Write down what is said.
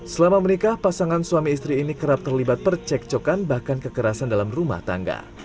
selama menikah pasangan suami istri ini kerap terlibat percekcokan bahkan kekerasan dalam rumah tangga